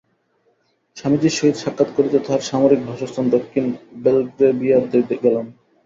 স্বামীজীর সহিত সাক্ষাৎ করিতে তাঁহার সামরিক বাসস্থান দক্ষিণ বেলগ্রেভিয়াতে গেলাম।